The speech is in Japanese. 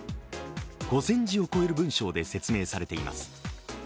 ５０００字を超える文章で説明されています。